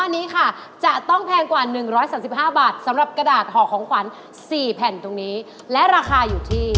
น่าสงสารจั่งเลย